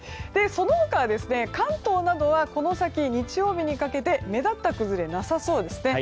その他、関東などはこの先日曜日にかけて目立った崩れ、なさそうですね。